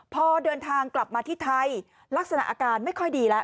พอเดินทางกลับมาที่ไทยลักษณะอาการไม่ค่อยดีแล้ว